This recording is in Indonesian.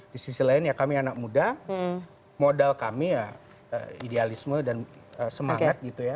di sisi lain ya kami anak muda modal kami ya idealisme dan semangat gitu ya